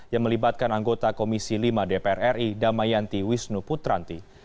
yang melibatkan anggota komisi lima dpr ri damayanti wisnu putranti